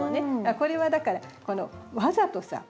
これはだからわざとさ